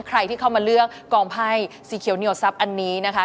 ใครที่เข้ามาเลือกกองไพ่สีเขียวเหนียวทรัพย์อันนี้นะคะ